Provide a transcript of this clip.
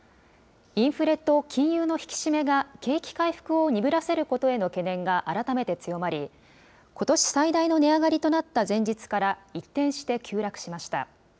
インフレと金融の引き締めが景気回復を鈍らせることへの懸念が改めて強まり、ことし最大の値上がりとなった前日から一転して急落しました。